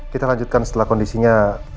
kita lanjutkan setelah kondisinya